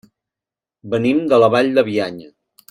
Venim de la Vall de Bianya.